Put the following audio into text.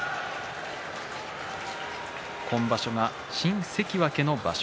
今場所が新関脇の場所。